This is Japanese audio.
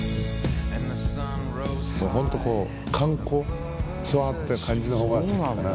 もうホント観光ツアーって感じの方が先かな。